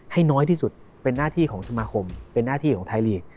ให้น้อยที่สุดเป็นหน้าที่ของสมาคมเป็นหน้าที่ของไทยลีก